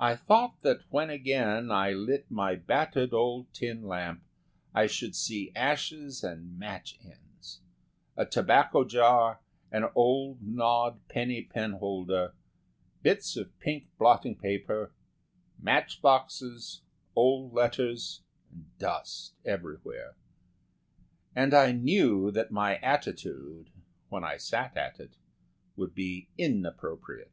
I thought that when again I lit my battered old tin lamp I should see ashes and match ends; a tobacco jar, an old gnawed penny penholder, bits of pink blotting paper, match boxes, old letters, and dust everywhere. And I knew that my attitude when I sat at it would be inappropriate.